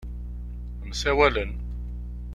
Msawalen.